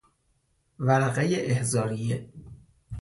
ورقهٔ احضاریه